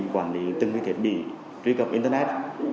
quản lý từng cái thiết bị truy cập internet